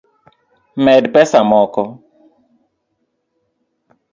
Med pesa moko